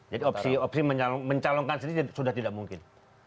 jadi opsi mencalonkan sendiri sudah tidak mungkin